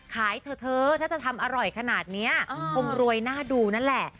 เธอถ้าจะทำอร่อยขนาดนี้คงรวยน่าดูนั่นแหละ